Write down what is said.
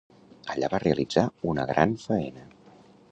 Allà va realitzar una gran faena.